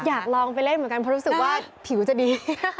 อยากลองไปเล่นเหมือนกันเพราะรู้สึกว่าผิวจะดี